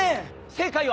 正解は。